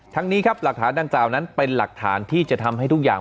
นี้ครับหลักฐานดังกล่าวนั้นเป็นหลักฐานที่จะทำให้ทุกอย่าง